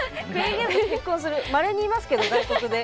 まれにいますけど外国で。